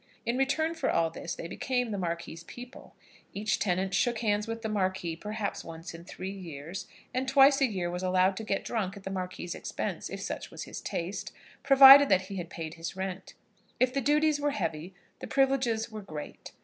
In return for all this, they became the Marquis's people. Each tenant shook hands with the Marquis perhaps once in three years; and twice a year was allowed to get drunk at the Marquis's expense if such was his taste provided that he had paid his rent. If the duties were heavy, the privileges were great.